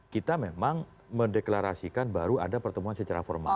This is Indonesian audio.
kita memang mendeklarasikan baru ada pertemuan secara formal